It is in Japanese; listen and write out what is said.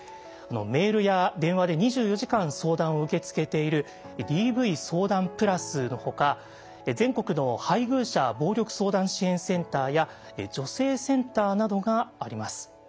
メールや電話で２４時間相談を受け付けているＤＶ相談プラスのほか全国の配偶者暴力相談支援センターや女性センターなどがあります。